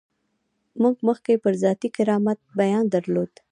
موږ مخکې پر ذاتي کرامت بیان درلود.